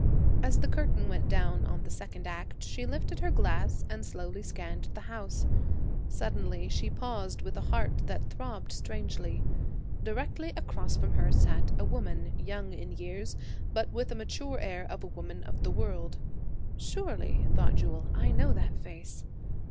As the curtain went down on the second act she lifted her glass and slowly scanned the house. Suddenly she paused with a heart that throbbed strangely. Directly across from her sat a woman–young in years, but with a mature air of a woman of the world. "Surely," thought Jewel, "I know that face."